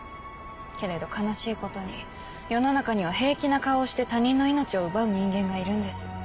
けれど悲しいことに世の中には平気な顔をして他人の命を奪う人間がいるんです。